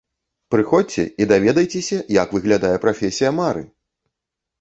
Прыходзьце і даведайцеся, як выглядае прафесія мары!